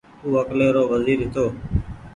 او اڪلي رو وزير هيتو